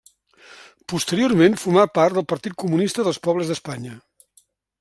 Posteriorment formà part del Partit Comunista dels Pobles d'Espanya.